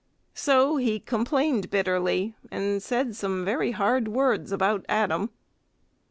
So he complained bitterly, and said some very hard words about Adam.